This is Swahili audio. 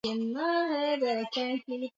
Kiutawala Mkoa umegawanyika katika Wilaya sita